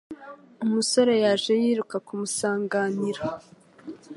Umusore yaje yiruka kumusanganira